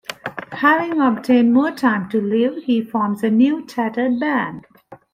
Having obtained more time to live, he forms a new tattered band.